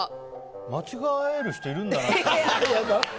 間違える人いるんだなって思って。